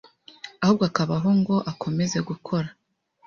ahubwo akabaho ngo akomeze gukora